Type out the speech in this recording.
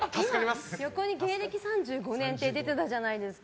横に芸歴３５年って出てたじゃないですか。